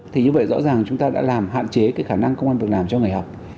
thì như vậy rõ ràng chúng ta đã làm hạn chế cái khả năng công an việc làm cho người học